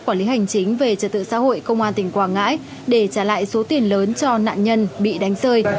quản lý hành chính về trật tự xã hội công an tỉnh quảng ngãi để trả lại số tiền lớn cho nạn nhân bị đánh rơi